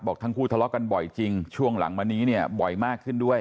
ทั้งคู่ทะเลาะกันบ่อยจริงช่วงหลังมานี้เนี่ยบ่อยมากขึ้นด้วย